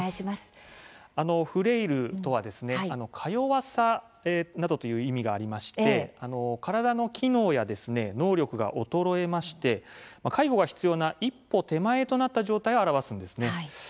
フレイルとは「かよわさ」などという意味がありまして体の機能や能力が衰えまして介護が必要な一歩手前となった状態を表します。